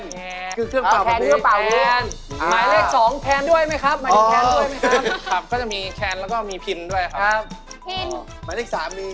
หมอลำซิ่งมียังไงขัดเร็วหรือว่าไง